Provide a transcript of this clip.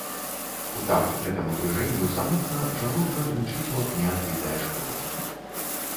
У такт гэтаму дрыжэнню самотна, жалобна дрынчыць у акне адбітае шкло.